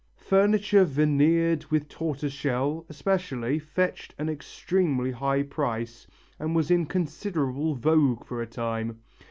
Furniture veneered with tortoise shell, especially, fetched an extremely high price and was in considerable vogue for a time.